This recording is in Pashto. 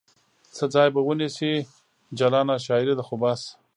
څه ځای به ونیسي جلانه ؟ شاعرې ده خو بس